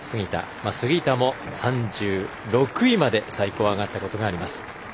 杉田も３６位まで最高で上がったことがあります。